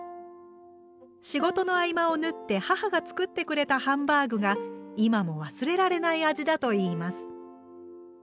仕事の合間を縫って母が作ってくれたハンバーグが今も忘れられない味だといいます。